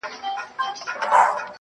زما تصـور كي دي تصـوير ويده دی.